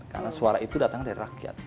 karena suara itu datang dari rakyat